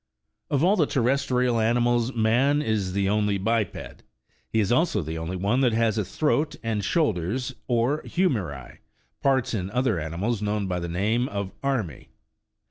Of all the terrestrial animals, man is the only biped : he is also the only one that has a throat, and shoulders, or " hu meri," parts in other animals known by the name of " armi."